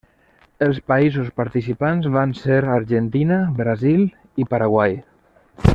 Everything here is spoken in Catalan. Els països participants van ser Argentina, Brasil, i Paraguai.